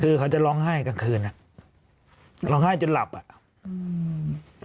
คือเขาจะร้องไห้กลางคืนอ่ะร้องไห้จนหลับอ่ะอืม